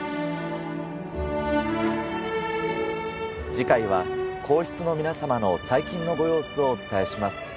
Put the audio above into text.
次回は皇室の皆さまの最近のご様子をお伝えします。